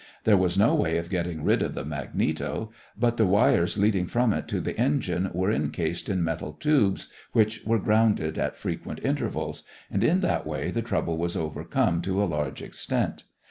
There was no way of getting rid of the magneto, but the wires leading from it to the engine were incased in metal tubes which were grounded at frequent intervals, and in that way the trouble was overcome to a large extent.